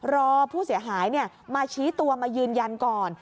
รอผู้เสียหายมาชี้ตัวมายืนยันก่อน